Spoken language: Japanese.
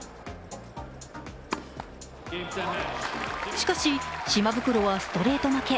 しかし、島袋はストレート負け。